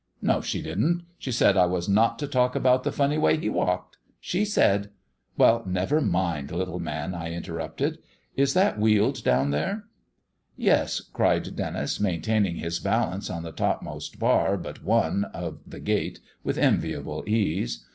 "No, she didn't; she said I was not to talk about the funny way he walked. She said " "Well, never mind, little man," I interrupted. "Is that Weald down there?" "Yes," cried Denis, maintaining his balance on the topmost bar but one of the gate with enviable ease.